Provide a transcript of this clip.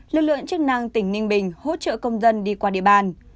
lực lượng chức năng tỉnh ninh bình hỗ trợ công dân đi qua địa bàn